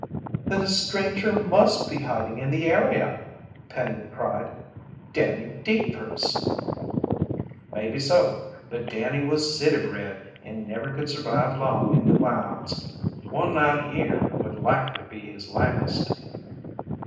"Then a stranger must be hiding in the area!" Penny cried. "Danny Deevers!" "Maybe so, but Danny was city bred and never could survive long in the wilds. One night here would likely be his last."